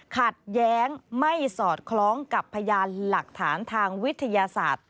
ขัดแย้งไม่สอดคล้องกับพยานหลักฐานทางวิทยาศาสตร์